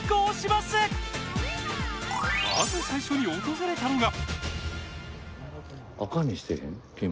まず最初に訪れたのが。